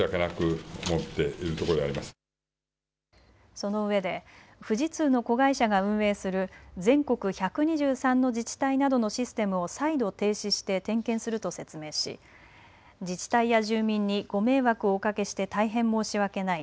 そのうえで富士通の子会社が運営する全国１２３の自治体などのシステムを再度停止して点検すると説明し自治体や住民にご迷惑をおかけして大変申し訳ない。